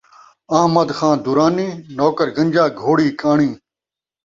احمد خان درانی نوکر گنجا گھوڑی کاݨی